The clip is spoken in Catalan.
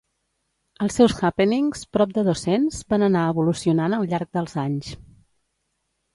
Els seus happenings, prop de dos-cents, van anar evolucionant al llarg dels anys.